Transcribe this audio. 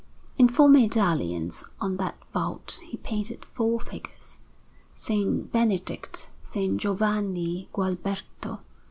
In four medallions on that vault he painted four figures, S. Benedict, S. Giovanni Gualberto, S.